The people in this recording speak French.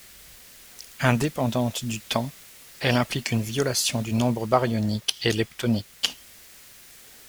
Indépendante du temps, elle implique une violation du nombre baryonique et leptonique.